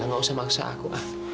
nggak usah maksa aku